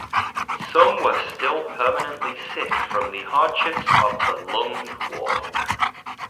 Some were still permanently sick from the hardships of the Long Walk.